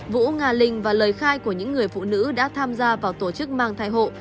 vũ nga linh và lời khai của những người phụ nữ đã tham gia vào tổ chức mang thai hộ